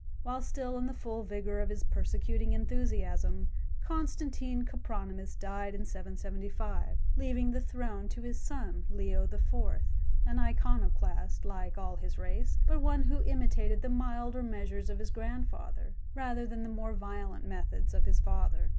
While still in the full vigour of his persecuting enthusiasm, Constantine Copronymus died in 775, leaving the throne to his son, Leo IV., an Iconoclast, like all his race, but one who imitated the milder measures of his grandfather rather than the more violent methods of his father.